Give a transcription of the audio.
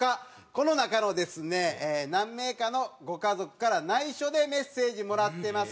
この中のですね何名かのご家族から内緒でメッセージもらってます。